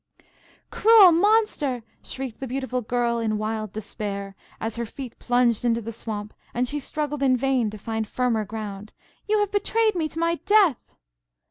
"Cruel monster!" shrieked the beautiful Girl in wild despair, as her feet plunged into the swamp, and she struggled in vain to find firmer ground, "you have betrayed me to my death!"